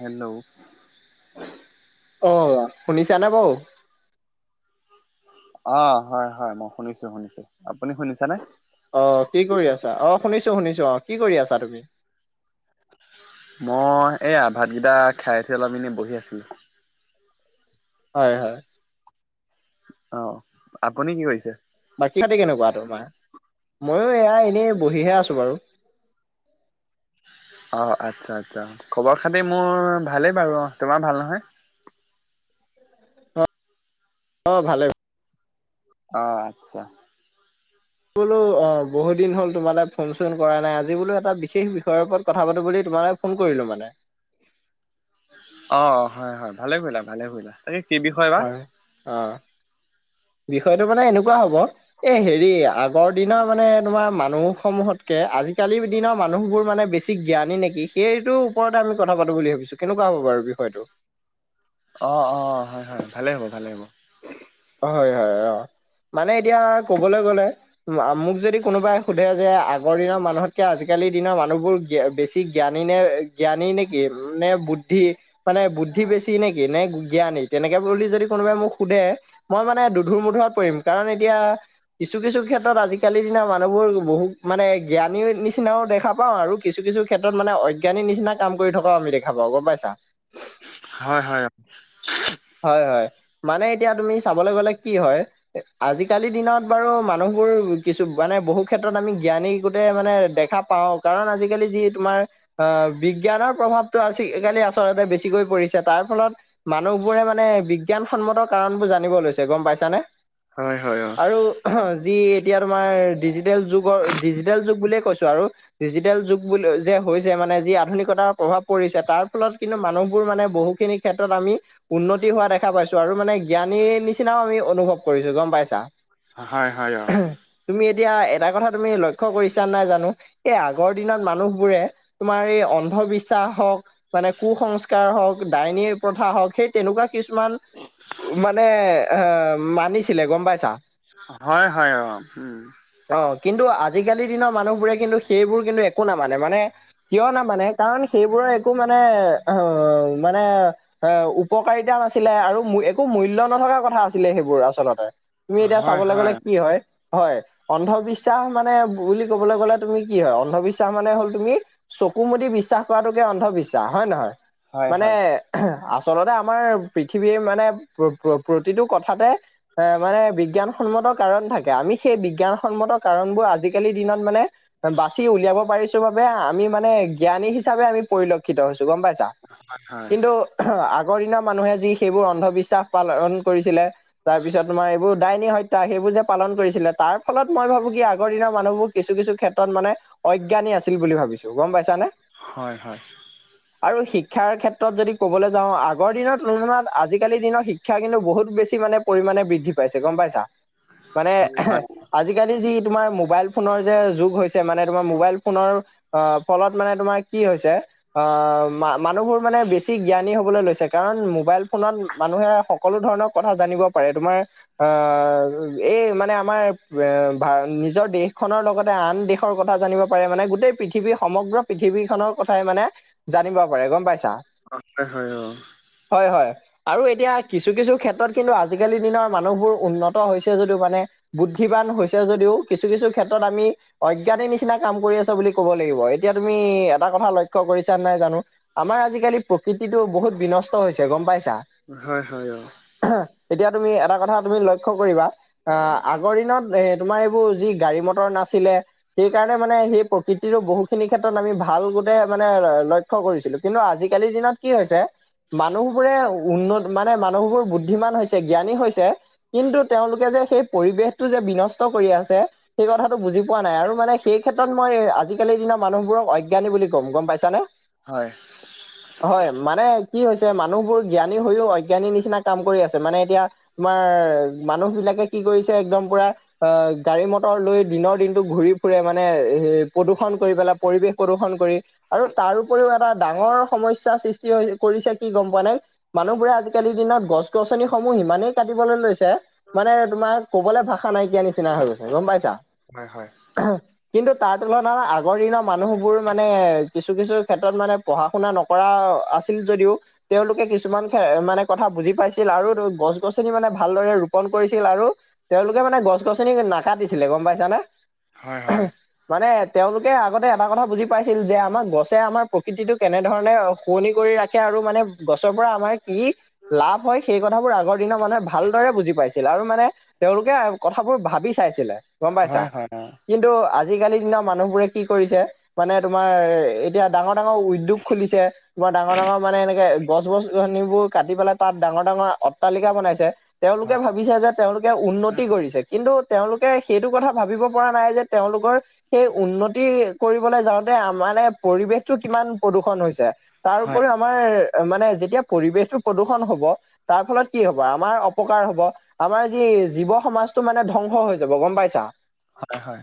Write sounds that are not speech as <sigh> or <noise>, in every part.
Hello. অ'! শুনিছানে বাৰু? অ'! হয়, হয়। মই শুনিছোঁ, শুনিছোঁ। আপুনি শুনিছানে? অ'! কি কৰি আছা? অ'! শুনিছোঁ, শুনিছোঁ। অ'! কি কৰি আছা, তুমি? মই এইয়া ভাতকেইটা খাই উঠি অলপ এনে বহি আছো। হয়-হয়। অ', আপুনি কি কৰিছে। বাকী <unintelligible> খাতি কেনেকুৱা তোমাৰ, ময়ো এয়া এনেই বহিহে আছো বাৰু। অ', আচ্ছা- আচ্ছা, খবৰ খাতি মোৰ ভালেই বাৰু, অ', তোমাৰ ভাল নহয়। <unintelligible> অ', ভালে। অ'! আচ্ছা। বোলো, অ'! বহুদিন হ'ল, তোমালে ফোন- চোন কৰা নাই। আজি বোলো, এটা বিশেষ বিষয়ৰ ওপৰত, কথা পাতো বুলি, তোমালে ফোন কৰিলোঁ, মানে। অ'! হয়, হয়। ভালে কৰিলা, ভালে কৰিলা। তাকে, কি বিষয় বা? হয় অ'! বিষয়টো মানে, এনেকুৱা হ'ব। এ, হেৰি! আগৰ দিনৰ মানে, তোমাৰ মানুহ সমূহতকে, আজিকালিৰ দিনৰ, মানুহবোৰ মানে, বেছি জ্ঞানী নেকি? সেইটোৰ ওপৰতে, আমি কথা পাতোঁ বুলি ভাবিছোঁ! কেনেকুৱা হ'ব বাৰু বিষয়টো? অ' অ! হয়, হয়। ভালেই হ'ব, ভালে হ'ব। হয়, হয়, অ'! মানে, এতিয়া ক'বলৈ গ'লে মোক যদি, কোনোবাই সোধে যে, আগৰ দিনৰ মানুহতকে, আজিকালি দিনৰ মানুহবোৰ, বেছি কি জ্ঞানী নে, জ্ঞানী নেকি, নে বুদ্ধি? মানে, বুদ্ধি বেছি নেকি, নে জ্ঞানী? তেনেকে বুলি যদি কোনোবাই মোক সোধে! মই মানে, দুধুৰ-মুধুৰত পৰিম। কাৰণ, এতিয়া কিছু, কিছু ক্ষেত্ৰত, আজিকালিৰ দিনৰ মানুহবোৰ, বহুত মানে, জ্ঞানী নিচিনাও দেখা পাওঁ আৰু। কিছু কিছু ক্ষেত্ৰত মানে অজ্ঞানী নিচিনা কাম কৰি থকা আমি দেখা পাওঁ গম পাইছা। হয় হয় হয় হয় মানে এতিয়া তুমি চাবলৈ গলে কি হয়। আজিকালি দিনত বাৰু মানুহবোৰ কিছু মানে বহু ক্ষেত্ৰত আমি জ্ঞানী গটে মানে দেখা। পাওঁ কাৰণ আজিকালি যি তোমাৰ আহ বিজ্ঞানৰ প্ৰভাৱটো আজিকালি আচলতে বেছিকৈ পৰিছে তাৰ ফলত মানুহ বোৰে মানে বিজ্ঞসন্মত কাৰণবোৰ জানিব লৈছে গম পাইছানে হয় হয় অ'। আৰু অ যি এতিয়া তোমাৰ ডিজিটেল যুগৰ ডিজিটেল যুগ বুলিয়ে কৈছো আৰু ডিজিটেল যুগ বুলি যে হৈছে মানে যি আধুনিকতাৰ প্ৰভাৱ পৰিছে তাৰ ফলত কিন্তু মানুহবোৰ মানে বহুখিনি ক্ষেত্ৰত আমি উন্নতি হোৱা দেখা পাইছো আৰু মানে জ্ঞানীৰ নিচিনাও আমি অনুভৱ কৰিছো গম পাইছা হয হয় তুমি এতিয়া এটা কথা তুমি লক্ষ্য কৰিছা নাই জানো এই আগৰ দিনত মানুহবোৰে তোমাৰ এই অন্ধবিশ্বাস হওক মানে কু সংস্কাৰ হওক ডাইনী প্ৰথা হওক সেই তেনেকুৱা কিছুমান মানে আহ মানিছিলে গম পাইছা। হয় হয় অ উম অ কিন্তু আজিকালি দিনৰ মানুহবোৰে কিন্তু সেইবোৰ কিন্তু একো নামানে মানে কিয় নামানে কাৰণ সেইবোৰৰ একো মানে মানে এ উপ উপকাৰিতা নাছিলে আৰু একো মূল্য নথকাৰ কথা আছিলে সেইবোৰ আচলতে তুমি এতিয়া হয় চাবলে গ'লে হয় কি হয় হয় অন্ধবিশ্বাস মানে বুলি ক'বলে গ'লে তুমি কি হয় অন্ধবিশ্বাস মানে হ'ল তুমি চকু মুদি বিশ্বাস কৰাতোকে অন্ধবিশ্বাস হয় নে নহয় হয় মানে হয় আ চলতে আমাৰ পৃথিৱীৰ মানে প্ৰ প্ৰতিটো কথাতে এ মানে বিজ্ঞানসন্মত কাৰণ থাকে আমি সেই বিজ্ঞানসন্মত কাৰণবোৰ আজিকালিৰ দিনত মানে বাচি উলিয়াব পাৰিছো বাবে আমি মানে জ্ঞানী হিচাপে আমি পৰিলক্ষিত হৈছো গম পাইছা। হয় হয় কিন্তু আগৰ দিনৰ মানুহে যি সেইবোৰ অন্ধবিশ্বাস পালন কৰিছিলে তাৰ পিছত তোমাৰ এইবোৰ দাইনী হত্যা সেইবোৰ যে পালন কৰিছিলে তাৰ ফলত মই ভাবো কি আগৰ দিনৰ মানুহবোৰ কিছু কিছু ক্ষেত্ৰত মানে অজ্ঞানী আছিল বুলি ভাবিছো গম পাইছানে হয় হয় আৰু শিক্ষাৰ ক্ষেত্ৰত যদি ক'বলৈ যাওঁ আ আগৰ দিনৰ তুলনাত আজিকালি দিনৰত শিক্ষা কিন্তু বহুত বেছি মানে পৰিমাণে বৃদ্ধি পাইছে গম পাইছা মানে হয় হয় আজি কালি যি তোমাৰ মোবাইল ফোনৰ যে যুগ হৈছে মানে তোমাৰ মোবাইল ফোনৰ অ ফলত মানে তোমাৰ কি হৈছে অ মা মানুহবোৰ মানে বেছি জ্ঞানী হ'বলৈ লৈছে কাৰণ মোবাইল ফোনত মানুহে সক সকলো ধৰণৰ কথা জানিব পাৰে তোমাৰ আহ এই মানে আমাৰ এ ভ নিজৰ দেশখনৰ লগতে আন দেশ খৰ কথা জানিব পাৰে মানে গোটেই পৃথিৱীৰ সমগ্ৰ পৃথিৱীখনৰ কথাই মানে জানিব পাৰে গম পাইছা অ হয় হয় অ হয় হয় আৰু এতিয়া কিছু কিছু ক্ষেত্ৰত কিন্তু আজিকালি দিনৰ মানুহবোৰ উন্নত হৈছে যদিও মানে বুদ্ধিবান হৈছে যদিও কিছু কিছু ক্ষেত্ৰত আমি অজ্ঞানে নিচিনা কাম কৰি আছ বুলি কব লাগিব এতিয়া তুমি এটা কথা লক্ষ্য কৰিছা নাই জানো আমাৰ আজিকালি প্ৰকৃতিটো বহুত বিনষ্ট হৈছে গম পাইছা হয় হয় অ' এতিয়া তুমি এটা কথা তুমি লক্ষ্য কৰিবা আহ আগৰ দিনত এ তোমাৰ এইবোৰ যি গাড়ী মটৰ নাছিলে সেইকাৰণে মানে সেই প্ৰকৃতিটো বহুখিনি ক্ষেত্ৰত আমি ভাল গোটেই মানে ল লক্ষ্য কৰিছিলো কিন্তু আজিকালিৰ দিনত কি হৈছে মানুহবোৰে উন্নত মানে মানুহবোৰ বুদ্ধিমান হৈছে, জ্ঞানী হৈছে। কিন্তু, তেওঁলোকে যে সেই পৰিৱেশটো যে বিনষ্ট কৰি আছে সেই কথাটো বুজি পোৱা নাই আৰু মানে সেই ক্ষেত্ৰত মই আজিকালিৰ দিনৰ মানুহবোৰক অজ্ঞানী বুলি ক'ম, গম পাইছানে। হয়। হয়, মানে কি হৈছে মানুহবোৰ জ্ঞানী হৈও অজ্ঞানীৰ নিচিনা কাম কৰি আছে মানে এতিয়া তোমাৰ মানুহ বিলাকে কি কৰিছে একদম পুৰা আ, গাড়ী মটৰ লৈ দিনৰ দিনটো ঘূৰি ফুৰে মানে এ প্ৰদূষণ কৰি পেলাই পৰিৱেশ প্ৰদূষণ কৰি, আৰু তাৰ উপৰিও এটা ডাঙৰ সমস্যাৰ সৃষ্টি হৈ কৰিছে কি গম পোৱা নে, মানুহ বোৰে আজিকালিৰ দিনত গছ গছনিসমূহ ইমানেই কাটিবলৈ লৈছ চে, মানে তোমাৰ ক'বলৈ ভাষা নাইকিয়া নিচিনা হৈ গৈছে গম পাইছা। হয়- হয়। <unintelligible> কিন্তু তাৰ তুলনাত আগৰ দিনৰ মানুহবোৰ মানে কিছু- কিছু ক্ষেত্ৰত মানে পঢ়া শুনা নকৰা আছ ছিল যদিও তেওঁলোকে কিছুমান মানে কথা বুজি পাইছিল আৰু গছ গছনি মানে ভালদৰে ৰোপন কৰিছিল আৰু তেওঁলোকে মানে গছ গছনি নাকাতিছিলে গম পাইছানে। হয় হয় মানে তেওঁলোকে আগতে এটা কথা বুজি পাইছিল যে, আমাৰ গছে আমাৰ প্ৰকৃতিটো কেনেধৰণে শুৱনি কৰি ৰাখে আৰু মানে গছৰ পৰা আমাৰ কি লাভ হয়, সেই কথাবোৰ আগৰ দিনৰ মানুহে ভালদৰে বুজি পাইছিল আৰু মানে তেওঁলোকে কথাবোৰ ভাবি চাইছিলে, গম পাইছা। হয় হয় অ, কিন্তু আজিকালি দিনৰ মানুহবোৰে কি কৰিছে মানে তোমাৰ এতিয়া ডাঙৰ-ডাঙৰ উদ্যোগ খুলিছে। তোমাৰ ডাঙৰ-ডাঙৰ মানে এনেকে গছ গছনিবোৰ কাটি পেলাই তাত ডাঙৰ-ডাঙৰ অট্টালিকা বনাইছে। তেওঁলোকে হয়। ভাবিছে যে তেওঁলোকে উন্নতি উম, কৰিছে, কিন্তু তেওঁলোকে সেইটো কথা ভাবিব পৰা নাই যে তেওঁলোকৰ সেই উন্নতি কৰিবলে যাওঁতে মানে পৰিৱেশতটো কিমান প্ৰদূষন হৈছে। তাৰ হয় উপৰিও আমাৰ মানে যেতিয়া পৰিৱেশটো প্ৰদূষণ হ'ব তাৰ ফলত কি হ'ব, আমাৰ অপকাৰ হ'ব। আমাৰ যি জীৱ সমাজটো মানে ধ্বংস হৈ যাব, গম পাইছা। হয়- হয়।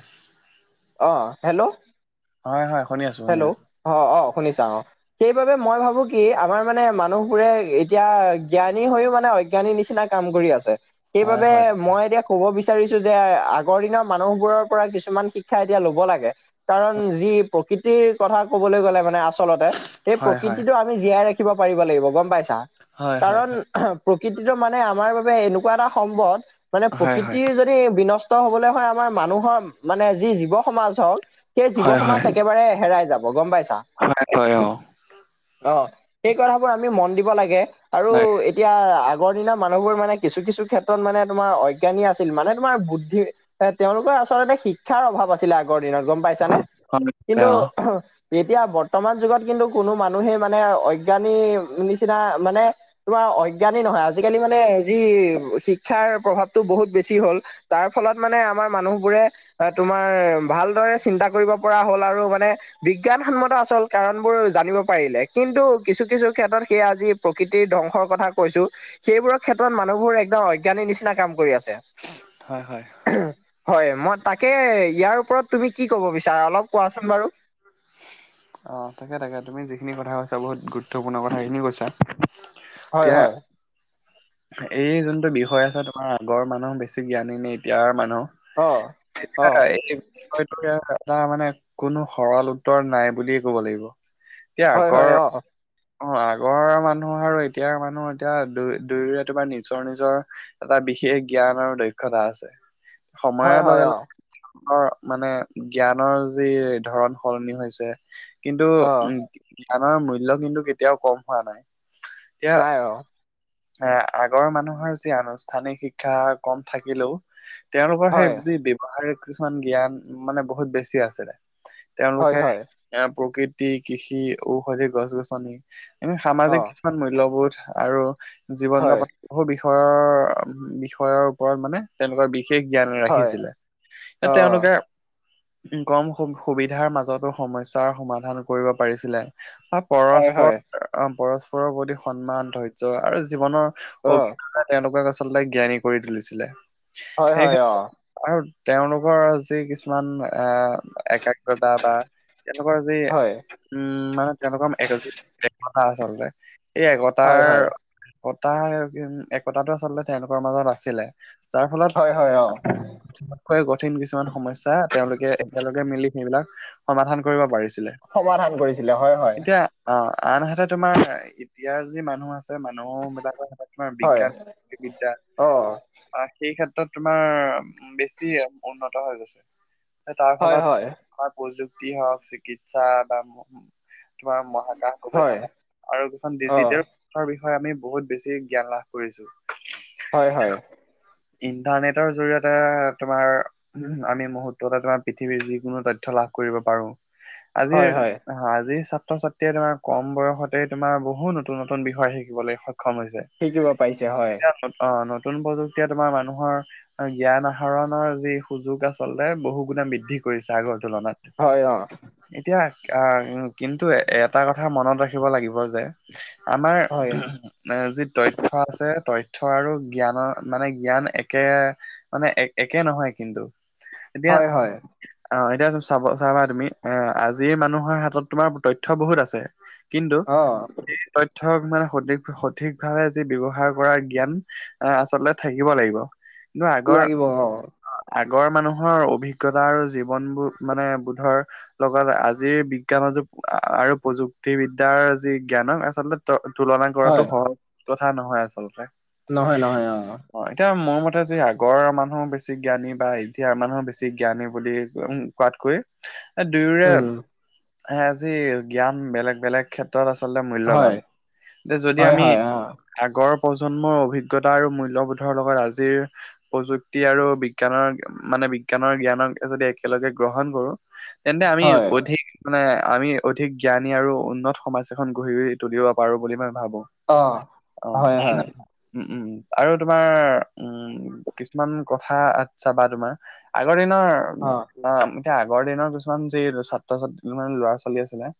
অ', অ', হেল্ল'। হয়-হয়, শুনি আছো- শুনি হেল্ল' আছো। অ', অ', শুনিছা অ'। সেইবাবে মই ভাবো কি, আমাৰ মানে মানুহবোৰে এতিয়া জ্ঞানী হৈও মানে অজ্ঞানী নিচিনা কাম কৰি আছে, হয় সেইবাবে হয় তাকে। মই এতিয়া ক'ব বিচাৰিছো যে, আগৰ দিনৰ মানুহবোৰৰ পৰা কিছুমান শিক্ষা এতিয়া ল'ব লাগে। কাৰণ যি প্ৰকৃতিৰ কথা ক'বলৈ গ'লে মানে আচলতে, সেই হয় হয় প্ৰকৃতিটো আ আমি জীয়াই ৰাখিব পাৰিব লাগিব গম পাইছা, হয় হয় কাৰণ প্ৰকৃতিটো মানে আমাৰ বাবে এনেকুৱা এটা সম্পদ, মানে হয় হয় প্ৰকৃতিৰ যদি বিনষ্ট হ'বলৈ হয় আমাৰ মানুহৰ মানে যি জীৱ সমাজ হওঁক সেই জীৱ হয় হয় সমাজ একেবাৰে হেৰাই যাব, গম পাইছে হয়- হয়, অ'। অ', সেই কথাবোৰ আমি মন দিব লাগে আৰু হয় এ এতিয়া আগৰ দিনৰ মানুহবোৰ মানে কিছু- কিছু ক্ষেত্ৰত মানে তোমাৰ অজ্ঞানী আছিল, মানে তোমাৰ বুদ্ধি হয়, তেওঁলোকৰ আচলতে শিক্ষাৰ অভাৱ আছিলে আগৰ দিনত গম পাইছানে, কিন্তু হয় অ এতিয়া বৰ্তমান যুগত কিন্তু কোনো মানুহে মানে অজ্ঞানী নিচিনা মানে তোমাৰ অজ্ঞানী নহয়, আজিকালি মানে যি শিক্ষাৰ প্ৰভাৱটো বহুত বেছি হ'ল। তাৰ ফলত মানে আমাৰ মানুহবোৰে তোমাৰ ভালদৰে চিন্তা কৰিব পৰা হ'ল আৰু মানে বিজ্ঞানসন্মত আচল কাৰণ বোৰ জানিব পাৰিলে কিন্তু কিছু - কিছু ক্ষেত্ৰত সেইয়া আজি প্ৰকৃতিৰ ধ্বংসৰ কথা কৈছো। সেইবোৰৰ ক্ষেত্ৰত মানুহবোৰ একদম অজ্ঞানীৰ নিচিনা কাম কৰি আছে। হয় - হয়। হয় মই তাকে ইয়াৰ ওপৰত তুমি কি ক'ব বিচাৰা অলপ কোৱাচোন বাৰু? অ, তাকে - তাকে তুমি যিখিনি কথা কৈছা বহুত গুৰুত্বপূৰ্ণ কথা খিনি কৈছা। হয় - এতিয়া হয়। এই যোনটো বিষয় আছে তোমাৰ আগৰ মানুহ বেছি জ্ঞানী নে এতিয়াৰ মানুহ অ অ এতিয়া এই বিষয়টোৰ এয়া এটা মানে কোনো সৰল উত্তৰ নাই বুলিয়ে ক'ব লাগিব। এতিয়া হয় আগৰ হয় অ অ আগৰ মানুহ আৰু এতিয়া মানুহ এতিয়া দুই- দুয়োৰে তোমাৰ নিজৰ - নিজৰ এটা বিশেষ জ্ঞান আৰু দক্ষতা আছে। হয় সময়ৰ হয় লগে - অ লগে ৰ মানে জ্ঞানৰ যি ধৰণ সলনি হৈছে কিন্তু অ উম গানৰ মূল্য কিন্তু কেতিয়াও কম হোৱা নাই। এতিয়া নাই অ এ আগৰ মানুহৰ যি আনুষ্ঠানিক শিক্ষা কম থাকিলেও তেওঁলোকৰ সেই হয় যি ব্যৱহাৰিক কিছুমান জ্ঞান মানে বহুত বেছি আছিলে। হয় তেওঁলোকে হয় এ প্ৰকৃতি, কৃষি, ঔষধি গছ - গছনি এনে অ সামাজিক কিছুমান মূল্যবোধ আৰু জীৱন হয় যাপন বহু বিষয়ৰ - বিষয়ৰ ওপৰত মানে তেওঁলোকৰ বি বিশেষ জ্ঞান হয় ৰাখিছিলে অ তেওঁলোকে কম সুবিধাৰ মাজতো সমস্যাৰ সমাধান কৰিব পাৰিছিলে। হয় পৰস্পৰ হয় অ পৰস্পৰৰ প্ৰতি সন্মান ধৈৰ্য্য আৰু জীৱনৰ অ অভিজ্ঞতা তেওঁলোকক আচলতে জ্ঞানী কৰি তুলিছিলে হয় সেই হয় অ ক্ষেত্ৰত আৰু তেওঁলোকৰ যি কিছুমান এ একাগ্ৰতা বা তেওঁলোকৰ যি হয় উম মানে তেওঁলোকৰ এক একতা আচলতে এই হয় হয় একতাৰ একতা একতাটো আচলতে তেওঁলোকৰ মাজত আছিলে যাৰ ফলত হয় হয় অ কঠিনতকৈ কঠিন কিছুমান সমস্যা তেওঁলোকে একেলগে মিলি সেইবিলাক সমাধান কৰিব পাৰিছিলে সমাধান কৰিছিলে হয় - হয়। এতিয়া অ, আনহাতে তোমাৰ এতিয়াৰ যি মানুহ আছে মানুহ বিলাকৰ লগত আমাৰ হয় বিজ্ঞান বিদ্যা অ অ, সেই ক্ষেত্ৰত তোমাৰ বেছি উন্নত হৈ গৈছে। তাৰ হয় ফলত হয় আমাৰ প্ৰযুক্তি হওক চিকিৎসা বা তোমাৰ মহাকাশ হয় গৱেষণা আৰু যিখন অ ডিজিটেল তাৰ বিষয়ে আমি বহুত বেছি জ্ঞান লাভ কৰিছো। হয় - হয়। ইণ্টাৰনেটৰ জৰিয়তে তোমাৰ আমি মুহূৰ্ততে তোমাৰ পৃথিৱীৰ যিকোনো তথ্য লাভ কৰিব পাৰো আজিৰ হয় হয় আজি ছাত্ৰ ছাত্ৰীয়ে তোমাৰ কম বয়সতেই তোমাৰ বহুত নতুন নতুন বিষয় শিকিবলৈ সক্ষম হৈছে শিকিব পাৰিছে হয় এতিয়া অ নতুন প্ৰযুক্তিয়ে তোমাৰ মানুহৰ জ্ঞান আহৰণৰ যি সুযোগ আচলতে বহু গুণে বৃদ্ধি কৰিছে আগত তুলনাত হয় অ এতিয়া আহ কিন্তু এটা কথা মনত ৰাখিব লাগিব যে আমাৰ হয় এ যি তথ্য আছে তথ্য আৰু জ্ঞানৰ মানে জ্ঞান একে মানে এক একে নহয় কিন্তু এতিয়া হয় হয় অ এতিয়া চাব চাবা তুমি এ আজিৰ মানুহৰ হাতত তোমাৰ তথ্য বহুত আছে কিন্তু অ তথ্যক মানে সঠিক সঠিক ভাৱে যি ব্যৱহাৰ কৰাৰ জ্ঞান আ আচলতে থাকিব লাগিব কিন্তু আগৰ লাগিব অ আগৰ মানুহৰ অভিজ্ঞতা আৰু জীৱনবোৰ মানে বোধৰ লগত আজিৰ বিজ্ঞান যুগ আৰু প্ৰযুক্তিবিদ্যাৰ যি জ্ঞানক আচলতে তুলনা হয় কৰাতো সহজ কথা নহয় আচলতে। নহয় নহয়, অঁ। অ এতিয়া মোৰ মতে যে আগৰ মানুহো বেছি জ্ঞানী বা এতিয়া মানুহো বেছি জ্ঞানী বুলি উম কোৱাতকৈ, <inaudible> এই দুয়োৰে উম এ আজি জ্ঞান বেলেগ বেলেগ ক্ষেত ত'ত আচলতে হয় মূল্যবান। এ যদি হয় আমি হয় অ আগৰ প্ৰজন্মৰ অভিজ্ঞতা আৰু মূল্যবোধৰ লগত আজিৰ প্ৰযুক্তি আৰু বিজ্ঞানৰ মানে বিজ্ঞানৰ জ্ঞানক যদি একেলগে গ্ৰহণ কৰো, তেন্তে আমি হয় অধিক মানে আমি অধিক জ্ঞানী আৰু উন্নত সমাজ এখন গঢ়ি তুলিব পাৰো বুলি মই ভাবো। অ অঁ, হয় হয় উম উম। আৰু তোমাৰ উম কিছুমান কথা আচ্ছা চাবা তোমাৰ, আগৰ দিনৰ অ এতিয়া আগৰ দিনৰ কিছুমান যি ছাত্ৰ-ছাত্ৰী, ল'ৰা-ছোৱালী আছিলে,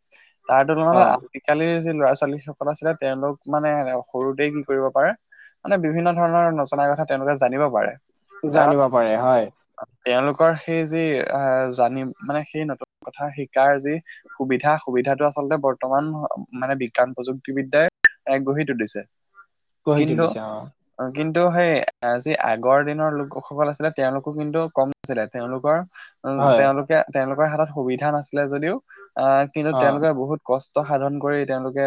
তাৰ অ তুলনাত আজিকালিৰ যি ল'ৰা-ছোৱালী সকল আছিলে, তেওঁলোক মানে সৰুতে কি কৰিব পাৰে! মানে বিভিন্ন ধৰণৰ নজনা কথা তেওঁলোকে জানিব পাৰে। কাৰণ জানিব পাৰে হয়। তেওঁলোকৰ সেই যি আহ জানিম মানে সেই নতুন কথা শিকাৰ যি সুবিধা, সুবিধাটো আচলতে বৰ্তমান মানে বিজ্ঞান প্ৰযুক্তিবিদ্যাই এক গঢ়ি তুলিছে। গঢ়ি কিন্তু তুলিছে অ কিন্তু সেই আজিৰ আগৰ দিনৰ লোকসকল আছিলে, তেওঁলোকো কিন্তু কম ছিলে, তেওঁলোকৰ উ হয় তেওঁলোকে তেওঁলোকৰ হাতত সুবিধা নাছিলে যদিওঁ, আহ কিন্তু অ তেওঁলোকে বহুত কষ্ট সাধন কৰি তেওঁলোকে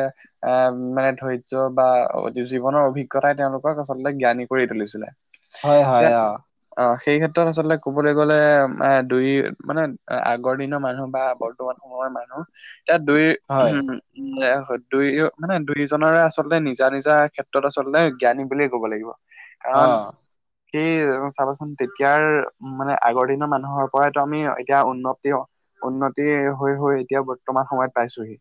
আহ মানে ধৈৰ্য্য বা জীৱনৰ অভিজ্ঞতাই তেওঁলোক ক'ক আচলতে জ্ঞানী কৰি তুলিছিলে। হয়, হয়, ইয়াত অ। অ সেই ক্ষেত্ৰত আচলতে কবলৈ গ'লে, এ দুই মানে আগৰ দিনৰ মানুহ বা বৰ্তমান সময়ৰ মানুহ, তাত দুই হয় উম উ দুই মানে দুই জনৰে আচলতে নিজা, নিজা ক্ষেত্ৰত আচলতে জ্ঞানী বুলিয়ে ক'ব লাগিব। অ কাৰণ সেই চাবাচোন, তেতিয়াৰ মানে আগৰ দিনৰ মানুহৰ পৰাইতো আমি এতিয়া উন্নতি উন্নতি হৈ হৈ এতিয়া বৰ্তমান সময়ত পাইছোহি।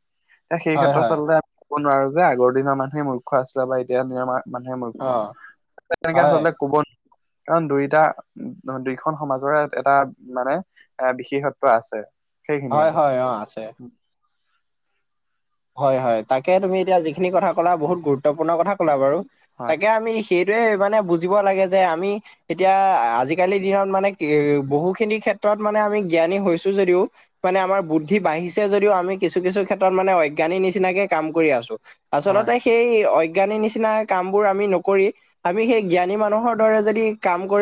এ সেই হয় ক্ষেত্ৰত হয় আচলতে আমি কব নোৱাৰো যে, আগৰ দিনৰ মানুহে মূৰ্খ আছিলে বা এতিয়া দিনৰ আমাৰ মানুহে অ মূৰ্খ। তেনেকে হয় আচলতে কব কাৰণ দুইটা, দুইখন সমাজৰে এটা মানে এ বিশেষত্ব আছে। সেইখিনিয়ে হয়, আৰু। হয়, অঁ আছে। হয়, হয়, তাকে তুমি এতিয়া যিখিনি কথা ক'লা, বহুত গুৰুত্বপূৰ্ণ কথা কলা বাৰু। হয় তাকে আমি সেইটোৱে মানে বুজিব লাগে যে' আমি এতিয়া আজিকালিৰ দিনত মানে বহুখিনি ক্ষেত্ৰত মানে আমি জ্ঞানী হৈছো যদিও মানে আমাৰ বুদ্ধি বাঢ়িছে যদিও, আমি কিছু কিছু ক্ষেত্ৰত মানে অজ্ঞানী নিচিনাকে কাম কৰি আছো। হয়। আচলতে সেই অজ্ঞানী নিচিনা কামবোৰ আমি নকৰি, আমি সেই জ্ঞানী মানুহৰ দৰে যদি কাম কৰি